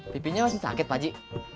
pipinya masih sakit paji